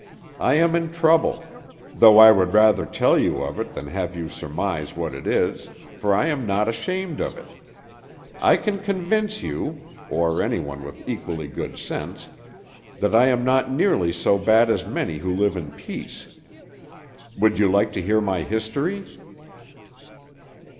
I am in trouble; though I would rather tell you of it than have you surmise what it is, for I am not ashamed of it. I can convince you or any one with equally good sense that I am not nearly so bad as many who live in peace. Would you like to hear my history?"